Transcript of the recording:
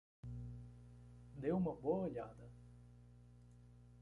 Dê uma boa olhada.